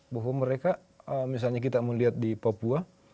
bahwa mereka misalnya kita melihat di papua